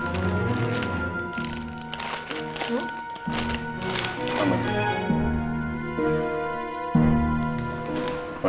yang ini aman juga